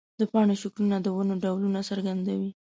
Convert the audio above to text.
د پاڼو شکلونه د ونو ډولونه څرګندوي.